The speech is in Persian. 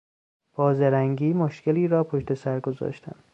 با زرنگی مشکلی را پشت سر گذاشتن